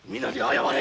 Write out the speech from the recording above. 謝れ！